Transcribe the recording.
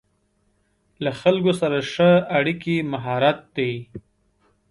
له خلکو سره ښه اړیکې مهارت دی.